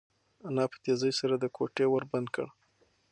انا په تېزۍ سره د کوټې ور بند کړ.